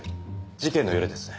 事件の夜ですね。